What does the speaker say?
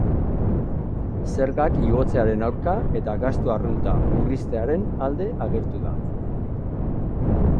Zergak igotzearen aurka eta gastu arrunta murriztearen alde agertu da.